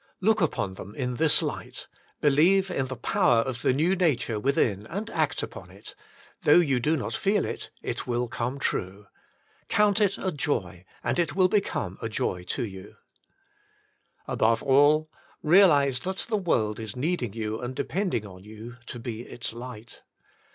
Look upon them in this light; believe in the power of the new nature within, and act upon it; though you do not feel Ii6 The Inner Chamber it, it will come true. Count it a joy, and it will become a joy to you. Above all, realise that the world is needing you and depending on you to be its light.